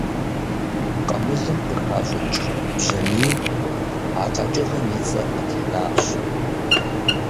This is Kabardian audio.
Къамылым къыхащӀыкӀ бжьамийм а къэкӀыгъэм и цӀэр къытенащ.